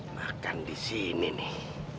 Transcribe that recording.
makan di sini nih